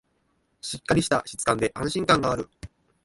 しっかりした質感で安心感がある